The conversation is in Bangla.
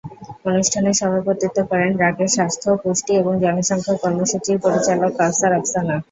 অনুষ্ঠানে সভাপতিত্ব করেন ব্র্যাকের স্বাস্থ্য, পুষ্টি এবং জনসংখ্যা কর্মসূচির পরিচালক কাওসার আফসানা।